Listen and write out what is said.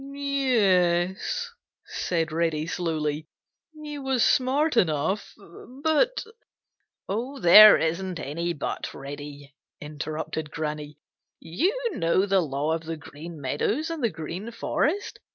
"Y e s," said Reddy slowly. "He was smart enough, but—" "There isn't any but, Reddy," interrupted Granny. "You know the law of the Green Meadows and the Green Forest.